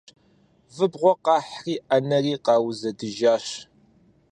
Выбгъуэ къахьри ӏэнэри къаузэдыжащ.